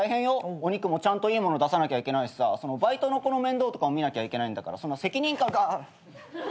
お肉もちゃんといいもの出さなきゃいけないしさバイトの子の面倒とかも見なきゃいけないんだから責任感が。